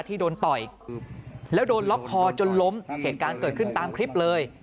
ที่โดนต่อยแล้วโดนล็อกคอจนล้มเหตุการณ์เกิดขึ้นตามคลิปเลย